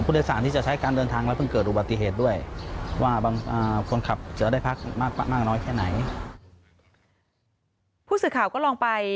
ผู้สื่อข่าวก็ลองไป